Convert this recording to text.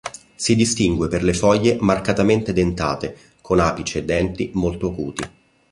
Si distingue per le foglie marcatamente dentate, con apice e denti molto acuti.